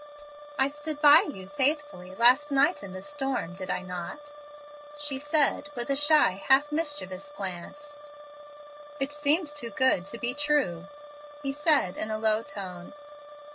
"I stood by you faithfully last night in the storm, did I not?" she said, with a shy, half mischievous glance. "It seems too good to be true," he said, in a low tone.